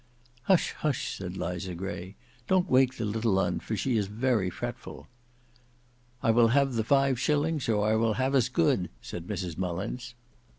"Hush, hush!" said Liza Gray; "don't wake the little un, for she is very fretful." "I will have the five shillings, or I will have as good," said Mrs Mullins.